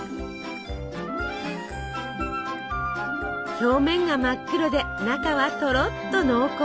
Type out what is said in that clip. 表面が真っ黒で中はとろっと濃厚。